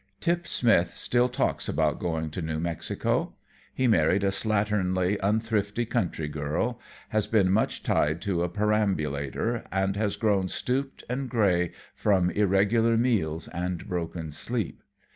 Tip Smith still talks about going to New Mexico. He married a slatternly, unthrifty country girl, has been much tied to a perambulator, and has grown stooped and gray from irregular meals and broken sleep.